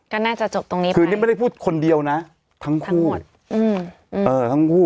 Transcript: ก็น่าจะจบตรงนี้ไปคือนี่ไม่ได้พูดคนเดียวนะทั้งคู่